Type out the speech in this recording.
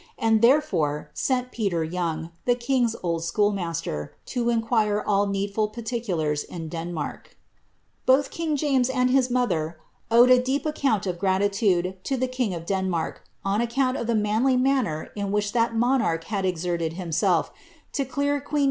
'' and therefore sent Peter Y.^ueij. the king^s old schoolmaster, to hiquire all needful particulars in Drn Roth liiag James and his mother owed a deep account of craiiludi ;c the kiiiii of Denmark, on account o( the manly manner in iiliuii i^.il monarch had exerted himself lo clear ijueen